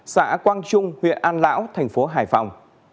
xã quang trung huyện an lão thành phố hải phòng